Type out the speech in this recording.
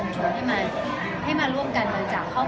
แต่ว่าไม่ใช่ว่าทุกคนที่เกิดมา